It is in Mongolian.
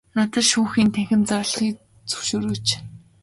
Надад шүүхийн танхим зарлахыг зөвшөөрөөч.